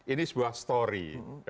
ini sebuah story